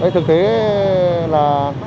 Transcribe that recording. thực tế là